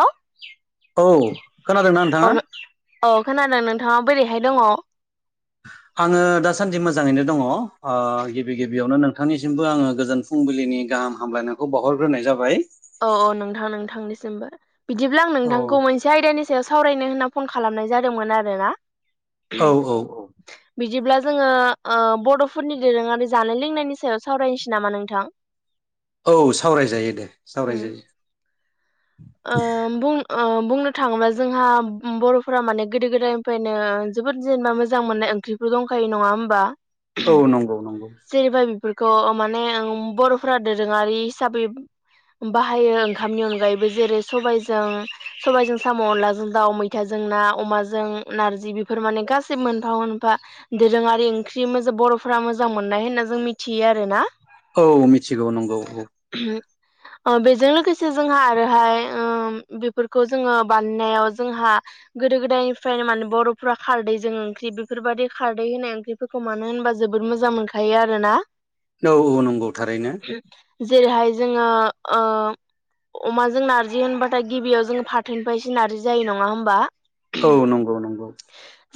अ औ खोनादोंना नोंथाङा औ औ खोनादों नोंथाङा बोरैहाय दङ [inaudible] आङो दासान्दि मोजाङैनो दङ ओ गिबि गिबियावनो नोंथांनिसिमबो आङो गोजोन फुंबिलिनि गाहाम हामलायनायखौ बावहरग्रोनाय जाबाय । औ - औ नोंथां नोंथांनिसिमबो बिदिब्ला आं औ नोंथांखौ मोनसे आयदानि सायाव सावरायनो होनना फन खालामनाय जादोंमोन आरोना औ औ बिदिब्ला जोङो ओ बड'फोरनि दोरोङारि जानाय लोंनायनि सायाव सावरायनोसै नामा नोंथां? औ सावरायजायो दे उम सावरायजायो । ओ बुं ओ बुंनो थाङोब्ला जोंहा बर'फोरा माने गोदो गोदायनिफ्रायनो जोबोद जेनेबा मोजां मोननाय ओंख्रिफोर दंखायो नङा होमबा? औ नंगौ नंगौ । बेखौ माने आम बर'फोरा दोरोङारि हिसाबै बाहायो ओंखामनि अनगायैबो । जेरै सबायजों - सबायजों साम' अनलाजों दाउ मैथाजों ना अमाजों नारजि बेफोर थारमाने गासै मोनफा मोनफा दोरोङारि ओंख्रि मोजो बर'फ्रा मोजां मोननाय होनना जों मिथियो आरो ना । औ मिथिगौ नंगौ औ । ओ बेजों लोगोसे जोंहा आद आरोहाय ओ बेफोरखौ जोङो बानायनायाव जोंहा गोदो गोदायनिफ्रायनो माने बर' फुरा खारदै जों ओंख्रि बेफोरबायदि खारदै होनाय ओंख्रिफोरखौ मानो होनबा जोबोद मोजां मोनखायो आरो ना । औ औ नंगौ थारैनो । जेरैहाय जोङो ओ अमाजों नार्जि होनबाथाय गिबियाव जोंङो फाथोनिफ्रायसो नारजि जायो नङा होमबा? औ नंगौ नंगौ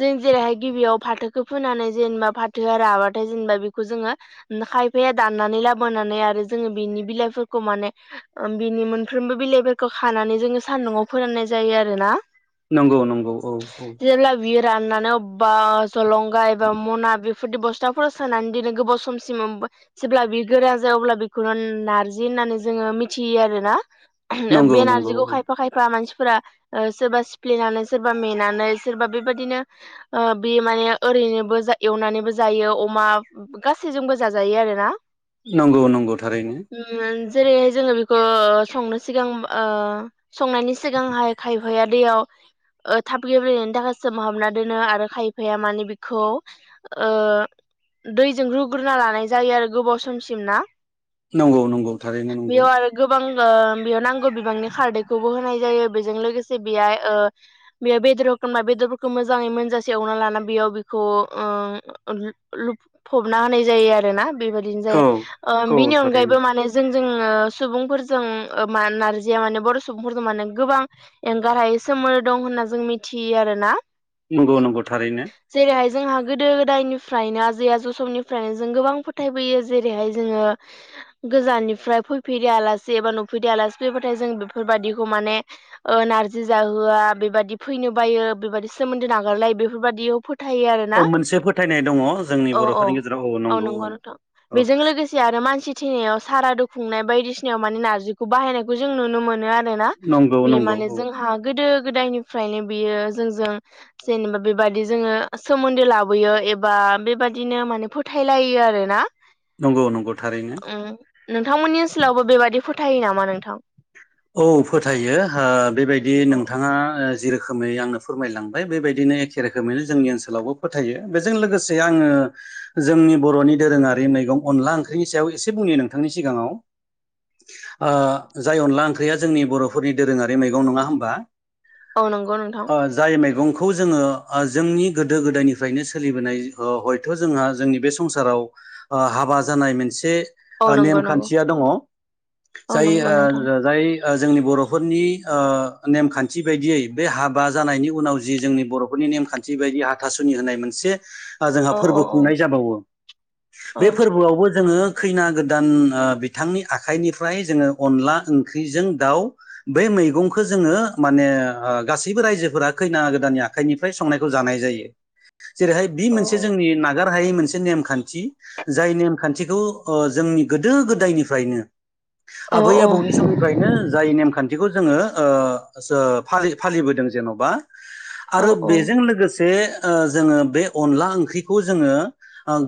जों जेरैहाय गिबियाव फाथोखौ फोनानै जेनबा फाथोआ राबाथाय जेनबा बेखौ जोङो खायै जे दान्नानै लाबोनानै आरो जोङो बिनि बिलायफोरखौ माने बिनि मोन फ्रोमबो बिलाइफोरखौ खानानै जोङो सान्दुआव फोराननाय जायो आरो ना । नंगौ नंगौ औ औ । बियो राननानै अबबा जलंगा एबा मना बे फोरदि बस्थाफोराव सोनानै दिनै गोबाव समसिम जेब्ला बि गोरान जायो अब्ला बेखौनो नारजिन होननानै जोङो मिथियो आरोना ओ बे नंगौ नंगौ नारजिखौ औ खायफा खायफा मानसि फोरा ओ सोरबा सिफ्लेनानै सोरबा मेनानै सोरबा बेबायदिनो ओ बे माने ओरै नोबो एवनानैबो जायो अमा गासैजोंबो जाजायो आरो ना । नंगौ नंगौ थारैनो जेरैहाय जोङो बेखौ ओ संनो सिगां ओ संनायनि सिगांहाय खायफाया दैयाव ओ थाब गेब्लेनायनि थाखाय सोमहाबना दोनो आरो खायफाया माने बिखौ ओ दैजों रुग्रोना लानाय जायो आरो गोबाव समसिम ना । नंगौ नंगौ थारैनो नंगौ गोबां ओ बेयाव नांगौ बिबांनि खारदैखौबो होनाय जायो बेजों लोगोसे बेयाय ओ बेयो बेदराव होमब्ला बेदरफोरखौ मोजाङै मोनजासे एवना ला बेयाव बेखौ ओ लो लुफुबना ना होनाय जायो आरो ना बेबायदिनो औ जायो । ओ औ बिनि अनगायैबो थारैनो माने जोंजों ओ सुबुंफोर जों मा नारजिया माने बर' सुबुंफोरखो माने गोबां एंगार हायै सोमोन्दो दं होनना जों मिथि थियो आरो ना । नंगौ नंगौ थारैनो । जोंहा गोदो गोदायनिफ्रायनो आजै आजौ समनिफ्रायनो जों गोबां फोथायबोयो जेरैहाय जोङो गोजाननिफ्राय फैफेरै आलासि जेबो नुफैदै आलासि फैबाथाय जों बेफोरबायदिखौ माने ओ नारजि जाहोआ बेबायदि फै नो बायो बेबायदि सोमोन्दो नागारलायो बेफोरबायदियाव फो थायो आरो औ ना मोनसे फोथायनाय दङ जोंनि औ औ बर'फोरनि गेजेराव औ नंगौ नोंथां औ औ बेजों लोगोसे आरो मानसि थैनायाव सारादु खुंनायाव बायदिसिनायाव माने नारजिखौ बाहायनायखौ जों नुनो मोन नो आरो ना नंगौ बे नंगौ माने औ जोंहा गोदो गोदायनिफ्रायनो बियो जोंजों जेनेबा बेबाददि जोङो सोमोन्दो लाबोयो एबा बेबादिनो माने फोथायलायो आरो ना नंगौ नंगौ थारैनो उम नोंथांमोननि ओनसोलावबो बेबादि फोथायो नामा नोंथां? औ फोथायो ओ बेबायदि औ नोंथाङा ओ जि रोखोमै आंनो फोरमायलांबाय बेबायदिनो एखे रोखोमैनो जोंनि ओनसोलावबो फोथायो बेजों लोगोसे आङो जोंनि बर'नि दोरोङारि मैगं अनला ओंख्रिनि सायाव एसे बुंनि नोंथांनि सिगाङाव ओ जाय अनला ओं ख्रिआ जोंनि बर'फोरनि दोरोङारि मैगं नङा होनबा? औ नंगौ नोंथां ओ जाय मैगं खौ जोङो ओ जोंनि गोदो गोदायनिफ्रायनो सोलिबोनाय ओ हयथ' जोंहा जोंनि बे संसाराव ओ हाबा जानाय मोनसे औ ओ नंगौ नंगौ नेमखान्थिया दङ औ जाय नंगौ नोंथां ओ जाय ओ जोंनि बर'फोरनि ओ नेमखान्थि बायदियै बे हाबा जानायनि उनाव जि जोंनि बर'फोरनि नेम खान्थि बायदि हाथासुनि होननाय मोनसे- जोंहा औ औ फोरबो औ खुंनाय जाबावो बे औ फोरबोआवबो जोङो खैना गोदान ओ बिथांनि आखाइनिफ्राय जोङो अनला ओंख्रि बेजों दाउ बे मैगंखौ जोङो माने गासैबो रायजोफोरा खैना गोदाननि आखाइ निफ्राय संनायखौ जानाय जायो जेरैहाय बे औ मोनसे जोंनि नागार- हायै मोनसे नेमखान्थि जाय नेमखान्थिखौ ओ जोंनि गोदो गोदायनिफ्रायनो औ आबै-आबौनि समनि फ्रायनो जाय नेमखान्थिखौ जोङो ओ ओ फालि फालिबोदों जेन'बा औ आरो औ बेजों लोगोसे बे ओ जोङो बे अनला ओंख्रिखौ जोङो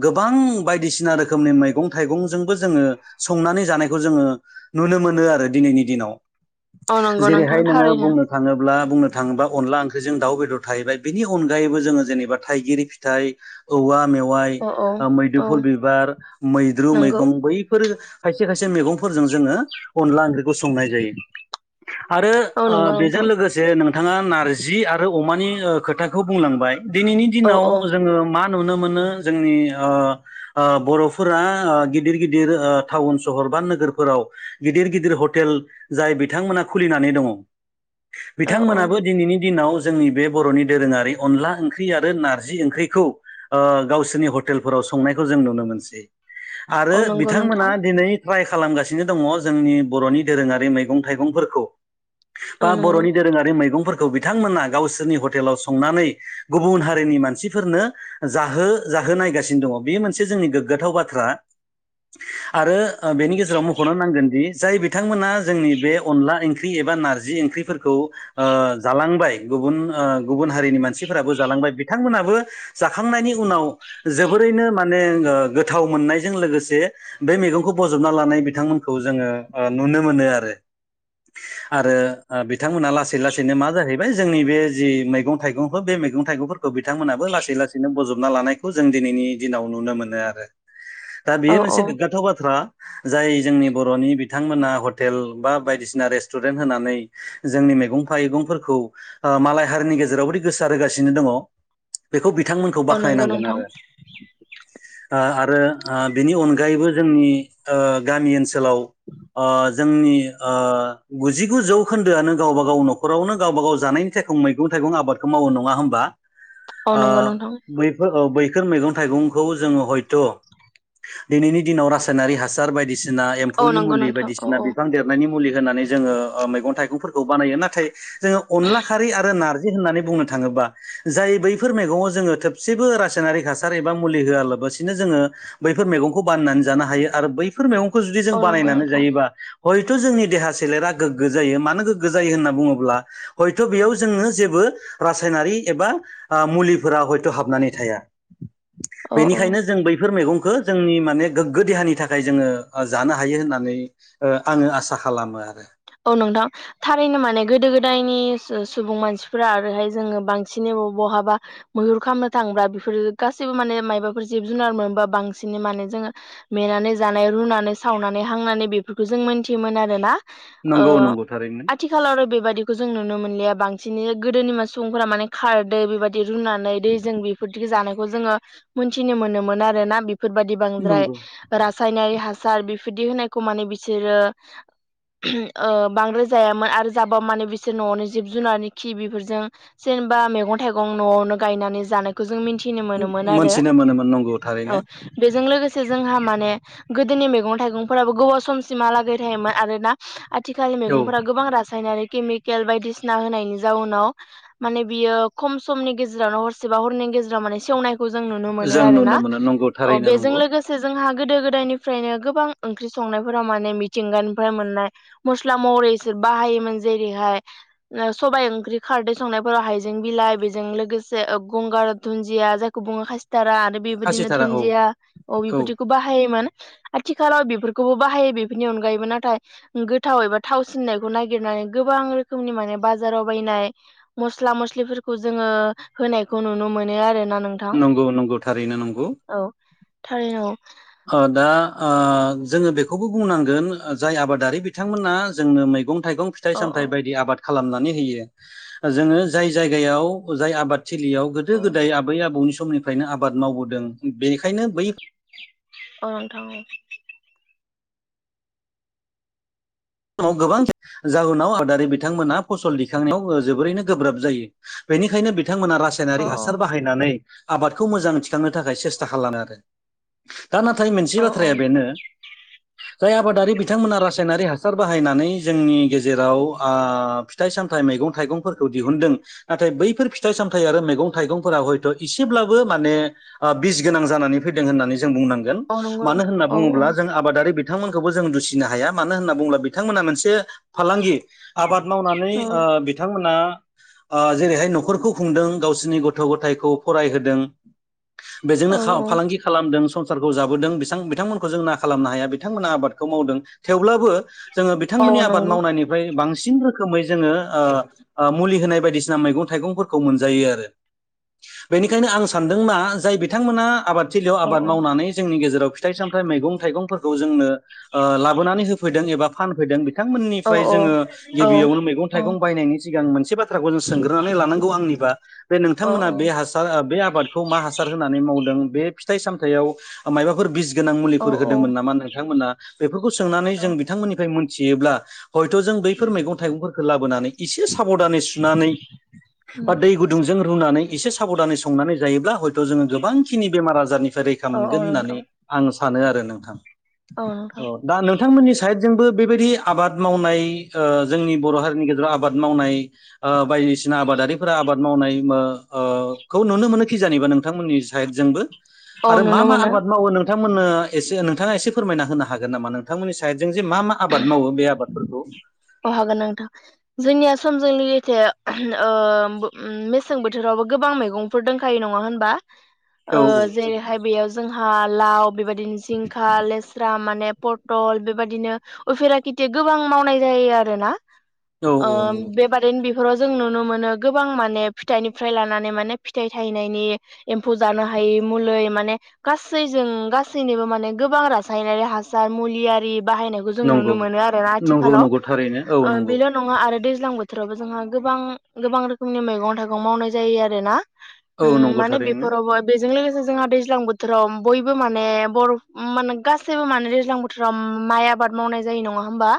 गोबां बायदिसिना रोखोमनि मै- मैगं- थाइगंजोंबो जोंङो संनानै जानायखौ जोंङो नुनो मोनो आरो दिनैनि दिनाव औ नंगौ नोंथां जेरैहाय नोङो थारैनो बुंनो थाङोब्ला बुंनो थाङोबा अनला ओंख्रि जों दाउ बेदर थाहैबाय बेनि अनगायैबो जोङो जेनेबा थाइगिर फिथाइ औवा मेव- वाइ औ औ औ मैदुमफुल बिबार मैद्रु नंगौ मैगं बैफोर खायसे खायसे मैगं- फोरजों जोङो अनदला ओंख्रिखौ संनाय जायो आरो औ नंगौ ओ बेजों नोंथां लोगोसे नोंथाङा नारजि आरो- अमानि खोथाखौ बुंलांबाय दिनैनि औ औ दिनाव जोङो मा नुनो मोनो जोंनि ओ ओ बर'फोरा ओ गिदिर गिदिर ओ टाउन सहर टाउन नोगोरफोराव गिदिर गिदिर- हथेल जाय बिथांमोना खुलिनानै दङ औ औ बिथांमोनाबो दिनैनि दिनाव जोंनि बे बर'नि दोरोङारि अनला ओंख्रि आरो नारजि ओंख्रिखौ गावसोरनि हटेलफोराव- संनायखौ जों नुनो मोनसै। आरो औ नंगौ बिथांमोना नोंथां दिनै ट्राइ खालामगासिनो दङ जोंनि बर'नि दोरोंङारि मैगं-थाइगंफोरखौ औ बा बर' नंगौ नि दोरङारि मैगं- फोरखौ बिथांमोना गावसोरनि हटेलाव संनानै गुबुन हारिनि मानसिफोरनो जाहो- जाहो नायगासिनो दङ बेयो मोनसे जोंनि गोग्गाथाव बाथ्रा आरो ओ बेनि गेजेराव मख'नो नांगोन दि जाय बि बिथांमोना जोंनि बे अनला ओंख्रि एबा नारजि ओंख्रिफोरखौ ओ जालांबाय गुबुन ओ गुबुन हारिनि मानसिफोराबो जालांबाय बिथांमोनाबो जाखांनायनि उनाव जोबोरैनो माने माने गोथाव मोननायजों लोगोसे बे मैगंखौ बजबना लानाय बिथांमोनखौ जोङो ओ नुनो मोनो आरो [inaudible] आरो ओ बिथांमोना लासै लासैनो मा जाहैबाय जोंनि बे जि मैगं थाइगंफोर बे मैगं थाइगंफोरखौ बिथांमोनहाबो लासै लासैनो बजबना लानायखौ जों दिनैनि दिनाव नुनो मोनो आरो दा औ बेयो मोनसे औ गोग्गाथाव बाथ्रा जाय जोंनि बर'नि बिथांमोना हटेल बा बायदिसिना रेस्टुरेन्ट होनानै जोंनि मैगंफाइगंफोरखौ बा मालाय हारिनि गेजेराव ओरैबादि गोसार होगासिनो दङ बेखौ बि- बिथांमोनखौ औ नंगौ बाख्नायनांगोन नोंथां आरो आ ओ आ आरो बिनि अनगायैबो जोंनि ओ गामि ओनसोलाव ओ जोंनि ओ गुजिगु जौखोन्दोआनो गावबा गाव न'खरावनो गावबा गाव जानाय मैगं थाइगं आबादखौ मावो नङा हबा औ ओ नंगौ नोंथां बैफोर बैखोर मैगं थाइगंखौ जोङो हयथ' दिनैनि दिनाव रासायनारि हा हासार बायदिसिना औ एम्फौनि नंगौ मुलि नोंथां औ बायदिसिना औ बिफां देरनायनि मुलि होननानै जोङो ओ मैगं थाइगंफोरखौ बानायो नाथाय जोङो अनला खारि आरो नारजि होननानै बुंनो थाङोब्ला ओ जाय बैफोर मैगङाव जोङो थबसेबो रासायनारिक हासार एबा मुलि होआलाबासिनो जोङो बैफोर मैगंखौ बानायनानै जानो हायो आरो बैफोर मैगंखौ जुदि जों औ नंगौ बानायनानै नोंथां जायोबा हयथ' जोंनि देहा सोलेरा गोग्गो जायो मानो गोग्गो जायो होनना बुङोब्ला हयथ' बेयाव जोंङो जेबो रासायनारि एबा मुलिफोरा हयथ' हाबनानै थाया। [inaudible] औ औ बेनिखायनो जों बैफोर मैगंखौ जोंनि माने गोग्गो देहानि थाखाय जोङो ओ जानो हायो। हायो होननानै ओ आङो आसा खालामो आरो। औ नोंथां थारैनो माने गोदो गोदायनि सुबुं मानसिफोरा ओरैहाय जोङो बांसिन बहाबा मैहुर खालामनो थांबा बेफोर गासिबो माने मायबाफोर जिब जुनार मोनबा बांसिनै मान जोङो मेनानै जानाय रुनानै सावनानै हांनानै बेफोरखौ जों मोनथियोमोन आरोना। ओ नंगौ नंगौ थारैनो आथिखालाव आरो बेबादिखौ जों नुनो मोनलिया बांसिनै गोदोनि माने सुबुंफोरा माने खारदै बेबायदि रुनानै दै जों बेफोरदिखौ जायो। थानायखौ जोङो मोनथिनो मोनोमोन आरो ना बेफोर बादि बांद्राय नंगौ रासायनारि हा सार बिफोरदि होनायखौ माने बिसोरो ओ बांद्राय जायामोन आरो जाबा माने बिसोर न'आवनि जिब जुनारनि खि बेफोरजों जेनेबा मेगं थाइगं न'आवनो गायनानै जानायखौ जों मिनथि थिनो मोनोमोन आरो मोनथिनो मोनोमोन नंगौ थारैनो औ बेजों लोगोसे से जोंहा माने गोदोनि मैगं थाइगंफोराबो गोबाव समसिमहालागै थायोमोन आरोना। थिखाल औ मैगंफोरा गोबां रासायनारिक केमिकेल बायदिसिना होनायनि जाउनाव माने बियो खम समनि गेजेरावनो हरसेबा हरनै गेजेराव‌ माने सेवनायखौ जों नुनो मोनो जों आरोना नुनो मोनो नंगौ औ थारैनो बेजों नंगौ लोगोसे जोंहा गोदो गोदायनिफ्रायनो गोबां ओंख्रि संनायफोराव माने मिथिंगानिफ्राय मोननाय मस्ला महरैसो बाहायोमोन जेरैहाय सबाय ओंख्रि खारदै संनायफोराव हाइजें बिला लाइ बेजों लोगोसे ओ गंगार दुनन्जिया जायखौ बुङो खा टारा आरो बेबायदिनो खासिथारा औ दुुनन्दिया औ बेफोरदिखौ बाहायोमोन। आथिखालाव बेफोरखौबो बाहायो बेफोरनि अनगायैबो नाथाय गोद थाव एबा थावसिननायखौ नागिरनानै गोबां रोखोमनि माने बाजाराव बायनाय मस्ला मस्लिफोरख जोङो होनायखौ नुनो मोनो आरोना। नोंथां नंगौ नंगौ थारैनो नंगौ। औ थारैनो औ। ओ दा ओ जोङो बेखौबो बुंनांगोन जाय आबादारि बिथांमोना जोंनो मैगं थाइगं फिथाइ औ औ सामथाइ औ बायदि आबाद खालामनानै होयो जोङो जाय जायगायाव जाय आबाद थिलियाव गोदो औ गोदाय आबै आबौनि समनिफ्रायनो आबाद मावबोदों बेखायनो बै औ नोंथां औ। समाव गोबां जाहोनाव आबादारि बिथांमोनहा फसल दिखांनायाव जोबोरैनो गोब्राब जायो। बेनिखायनो बिथांमोना औ रासायनारिक हासार बाहायनानै आबादखौ मोजां थिखांनो थाखाय सेस्था खालामानो आरो। दा नाथाय मोनसे औ बाथ्राया बेनो जाय आबादारि बिथांमोना रासायनारि हासार हासार बाहायनानै जोंनि गेजेराव ओ फिथाइ सामथाइ मैगं थाइगंफोरखौ दिहुनदों नाथाय बैफोर फिथाइ सामथाइ आरो मैगं थाइगंफोरा हयथ' एसेब्लाबो माने ओ बिस गोनां जानानै फैदों होननानै जों बुंनांगोन औ नंगौ मानो नोंथां होनना औ बुङोब्ला जों आबादारि बिथांमोनखौबो जों दुसिनो हाया मानो होनना बुंब्ला बिथांमोना मोनसे फालांगि आबाद मावनानै औ ओ बिथांमोना ओ जेरैहाय न'खरखौ खुंदों गावसिनि गथ' गथायखौ फरायहोदों। बेजोंनो औ फालांगि खालामदों सं संसारखौ जाबोदों बिथां बिथांमोनखौ जों ना खालामनो हाया बिथांमोना आबादखौ मावदों थेवब्लाबो जोङो औ बिथांमोननि औ आबाद नंगौ मावनायनिफ्राय बांसिन बांसिन रोखोमै जोङो ओ ओ मुलि होनाय बायदिसिना मैगं थाइगंफोरखौ मोनजायो आरो। बेनिखायनो आं सानदों मा जाय बिथांमोना आबादथिलियाव औ आबाद औ मावनानै जोंनि गेजेराव फिथाइ सामथाइ मैगं थाइंफोरखौ जोंनो ओ लाबोनानै होफैदों एबा फानफैदों औ बिथांमोननिफ्राय जोङो औ गिबियावनो मैगं थाइगं बायनायनि सिगां मोनसे बाथ्रा बाथ्राखौ जों सेंग्रोननानै लानांगौ आंनिबा बे औ नोंथांमोना बे हासार ओ बे आबादखौ मा हासार हासार होनानै मावदों बे फिथाइ सामथायाइयाव माबाफोर बिस गोनां औ मुलिफोर होदोंमोन नामा नोंथांमोना बेफोरखौ सोंनानै औ जों बिथांमोननिफ्राय मोनथियोब्ला हयथ' जों बैफोर मैगं थाइगंफोरखौ लाबोनानै एसे साब'धानै सुनानै बा उम दै गुदुंजों रुनानै एसे साब'धानै संनानै जा जायोब्ला हयथ' जोङो गोबांखिनि बेमार आजारनिफ्राय रैखा औ औ मोनगोन होननानै नोंथां आं सानो आरो नोंथां। औ नोंथां। अ दा नोंथांमोननि साइड जोंबो बेबायदि आबाद मावनाय जोंनि बर' हारिनि गेजेराव आबाद मावनाय बायदिसिना बायदिसिना आबादारिफोरा आबाद मावनाय ओ ओ खौ नुनो मोनो खि जानिबा नोंथांमोननि साइडजोंबो औ आरो मा नुनो मा मोनो आबाद मावो नोंथांमोननो एसे नोंथाङा एसे फोरमायना होनो हागोन नामा नोंथांमोननि साइड जों जे मा मा आबाद मावो बे आबादफोरखौ अ हागोन नोंथां जोंनिया समजों लोगोसे ओ मेसें बोथोरावबो गोबां मैगंफोर दंखायो नङा होनबा ओ औ जेरैहाय बेयाव जोंहा लाव बेबायदिनो जिंखा लेस्रा मान माने पटल बेबादिनो उफेरा खेथि गोबां मावनाय जायो आरो ना औ ओ औ नंगौ बेबारैनो बि बेफोराव जों नुनो मोनो गोबां माने फिथाइनिफ्राय लानानै माने फिथाइ थायनायनि एम्फौ जानो हायो मुलि माने गासैजों गासैनिबो माने गोबां रायनायारि हासार मुलि आरि बाहायनायखौ जों नंगौ नुनो मोनो आरोना नंगौ आथिखालाव नंगौ थारैनो औ ओ नंगौ बेल' नङा आरो दैज्लां बोथोरावबो जोंहा गोबां गोबां रोखोमनि मैगं थाइगं मावनाय जायो आरो ना औ उम नंगौ माने थारैनो बेफोरावबो बे बेजों लोगोसे जोंहा दैज्लां बोथोराव बयबो माने बर'फोर माने गासैबो माने दैज्लां बोथोराव माइ आबाद मावनाय जायो नङा होमबा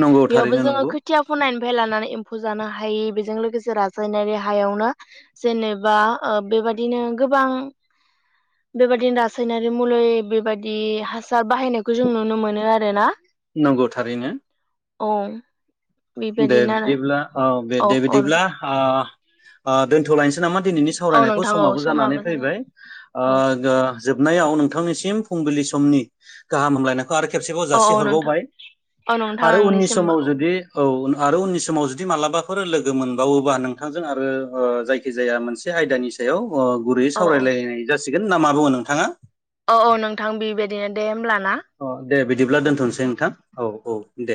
नंगौ बेयावबो थारैनो जोङो नंगौ खोथिया फुनाय निफ्राय लानानै एम्फौ जानो हायि बेजों लोगोसे रासायनारि हायावनो जेनेबा ओ बे बेबादिनो गोबां बेबायदिनो रासायनारि मुलि बेबायदि हासार हासार बाहायनायखौ जों नुनो मोनो आरो ना नंगौ थारैनो औ दे बेबायदिनो बिदिब्ला औ दे दे बिदिब्ला औ ओ दोनथ'लायनोसै नामा दिनैनि औ सावरायनायखौ नोंथां औ समाबो जानानै जाबाय फैबाय औ ओ जोबनायाव नोंथांनिसिम फुंबिलि समनि गाहाम हामलायनायखौ आरो खेबसेबाव औ औ नोंथां जासिहरबावबाय औ नोंथां आरो उननि नोंनिसिमबो समाव औ जुदि औ आरो उननि समाव जुदि मालाबाफोर लोगो मोनबावोबा नोंथांजों आरो ओ जायखि जाया मोनसे आयदा आयदानि सायाव गुरै औ औ सावरायलायनाय जासिगोन ना मा बुङो नोंथाङा औ औ नोंथां बेबायदिनो दे होमबब्ला अ दे बिदिब्ला दोनथ'नोसै नोंथां औ औ दे